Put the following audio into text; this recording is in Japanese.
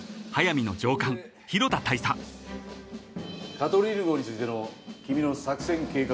「カトリーヌ号についての君の作戦計画書だけどね」